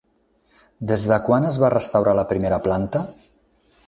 Des de quan es va restaurar la primera planta?